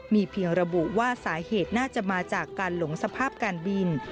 มีเพียงระบุว่าสาเหตุน่าจะมาจากการหลงสภาพการบิน